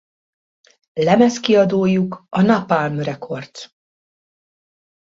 Lemezkiadójuk a Napalm Records.